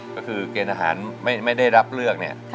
ก็คือเกณฑ์อาหารไม่ได้รับเลือกเนี่ย